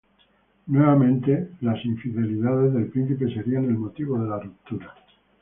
Nuevamente las infidelidades del príncipe serían el motivo de la ruptura.